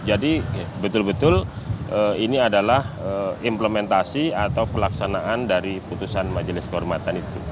jadi betul betul ini adalah implementasi atau pelaksanaan dari putusan majelis kehormatan itu